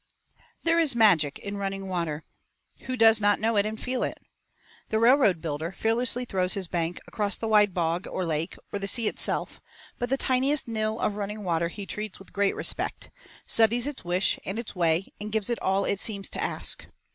V There is magic in running water. Who does not know it and feel it? The railroad builder fearlessly throws his bank across the wide bog or lake, or the sea itself, but the tiniest ril of running water he treats with great respect, studies its wish and its way and gives it all it seems to ask.